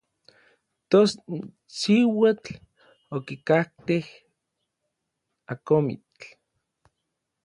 Tos n siuatl okikajtej n akomitl.